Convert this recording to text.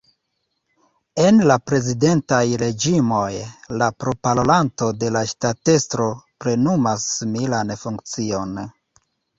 En la prezidentaj reĝimoj, la proparolanto de la ŝtatestro plenumas similan funkcion.